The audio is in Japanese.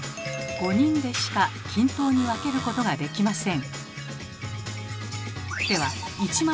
３人でしか均等に分けることができません。